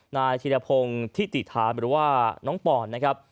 นายธิรพงศ์ทิติฐานหรือว่าน้องปอนนะครับ